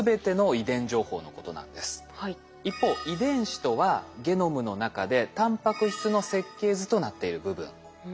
一方遺伝子とはゲノムの中でたんぱく質の設計図となっている部分。